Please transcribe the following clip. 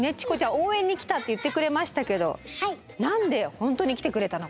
応援に来たって言ってくれましたけど何で本当に来てくれたのか？